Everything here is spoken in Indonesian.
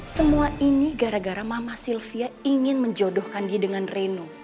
semua ini gara gara mama sylvia ingin menjodohkan diri dengan reno